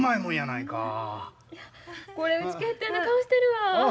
いやこれうちけったいな顔してるわ。